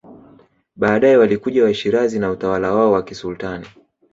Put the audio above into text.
Baadae walikuja Washirazi na utawala wao wa kisultani